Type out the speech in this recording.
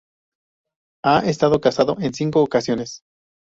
Ha estado casado en cinco ocasiones.